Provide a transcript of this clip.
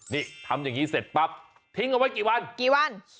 นี่ทำอย่างนี้เสร็จปั๊บทิ้งเอาไว้กี่วันกี่วัน